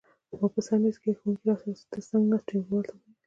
ما سر په مېز کېښود، ښوونکي را سره تر څنګ ناست ټولګیوال ته وویل.